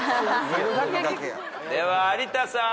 では有田さん。